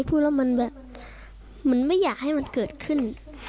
พูดแล้วมันแบบมันไม่อยากให้มันเกิดขึ้น